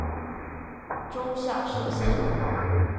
州下设县。